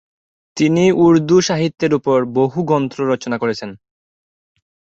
তিনি উর্দু সাহিত্যের উপর বহু গ্রন্থ রচনা করেছেন।